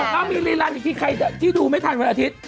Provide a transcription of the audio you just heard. สวัสดีครับมีรีนรันอีกทีใครที่ดูไม่ทันวันอาทิตย์